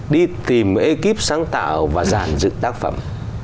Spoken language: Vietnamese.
đi tìm ekip sáng tạo và giản dựng tác phẩm